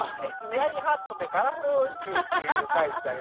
「ヒヤリハットでカラフルうんち」っていう回みたいなね。